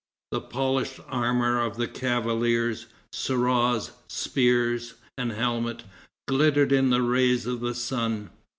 The polished armor of the cavaliers, cuirass, spear and helmet, glittered in the rays of the sun.